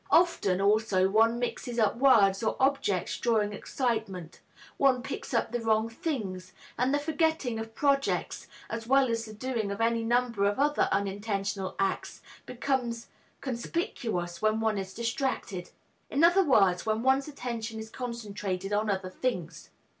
Often also one mixes up words or objects during excitement, one picks up the wrong things; and the forgetting of projects, as well as the doing of any number of other unintentional acts, becomes conspicuous when one is distracted; in other words, when one's attention is concentrated on other things.